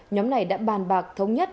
nhóm này đã bàn bạc thống nhất